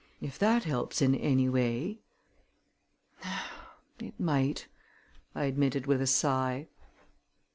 If that helps in any way " "It might," I admitted with a sigh.